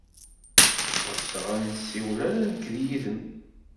Ɣseɣ ad nessiwel ala nekk yid-m.